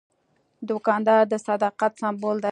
دوکاندار د صداقت سمبول دی.